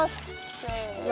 せの。